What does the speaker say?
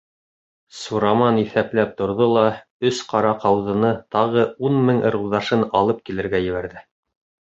Сураман иҫәпләп торҙо ла өс Ҡара ҡауҙыны тағы ун мең ырыуҙашын алып килергә ебәрҙе.